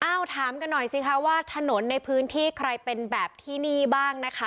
ถามกันหน่อยสิคะว่าถนนในพื้นที่ใครเป็นแบบที่นี่บ้างนะคะ